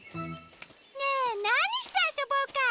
ねえなにしてあそぼうか！